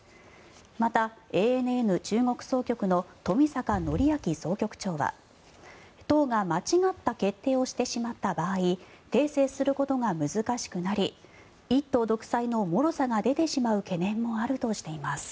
また、ＡＮＮ中国総局の冨坂範明総局長は党が間違った決定をしてしまった場合訂正することが難しくなり一党独裁のもろさが出てしまう懸念もあるとしています。